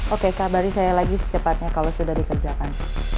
oke kabari saya lagi secepatnya kalau sudah dikerjakan